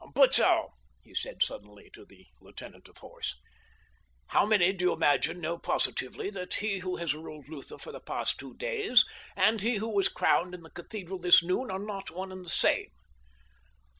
"Butzow," he said suddenly to the lieutenant of horse, "how many do you imagine know positively that he who has ruled Lutha for the past two days and he who was crowned in the cathedral this noon are not one and the same?"